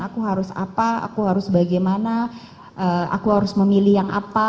aku harus apa aku harus bagaimana aku harus memilih yang apa